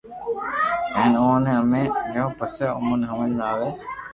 ھين اوني امي ٺايو پسو اموني ھمج ۾ اوئي